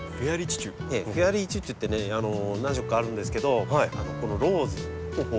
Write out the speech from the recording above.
フェアリーチュチュってね何色かあるんですけどこのローズ。